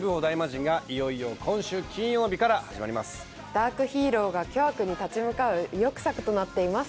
ダークヒーローが巨悪に立ち向かう意欲作となっています。